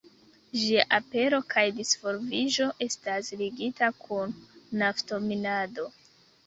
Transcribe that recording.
Ĝia apero kaj disvolviĝo estas ligita kun nafto-minado.